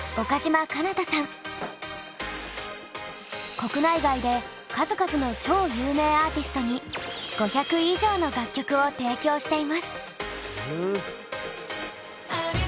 国内外で数々の超有名アーティストに５００以上の楽曲を提供しています。